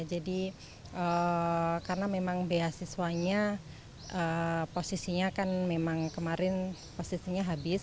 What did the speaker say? jadi karena memang beasiswanya posisinya kan memang kemarin posisinya habis